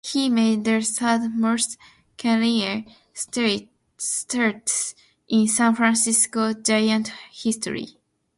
He made the third most career starts in San Francisco Giants history.